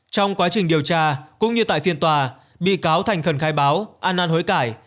trong quá trình điều tra cũng như tại phiên tòa bị cáo thành khẩn khai báo an năn hối cải